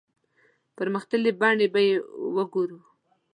مختلفې بڼې به یې وګورو.